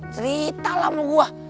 cerita lah sama gue